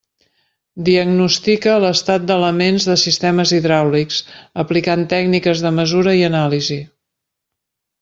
Diagnostica l'estat d'elements de sistemes hidràulics, aplicant tècniques de mesura i anàlisi.